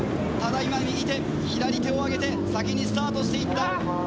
ただいま右手左手を上げて先にスタートして行った。